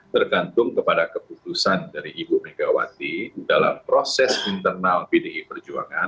tergantung kepada keputusan dari ibu megawati dalam proses internal pdi perjuangan